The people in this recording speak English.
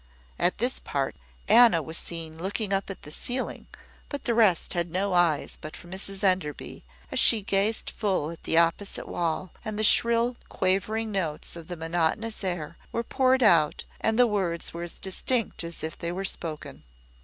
At this part, Anna was seen looking up at the ceiling; but the rest had no eyes but for Mrs Enderby, as she gazed full at the opposite wall, and the shrill, quavering notes of the monotonous air were poured out, and the words were as distinct as if they were spoken.